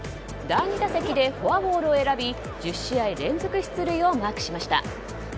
第２打席でフォアボールを選び１０試合連続出塁をマークしました。